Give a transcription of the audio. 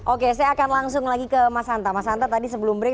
oke saya akan langsung lagi ke mas anta tadi sebelum break